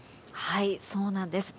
そうなんです。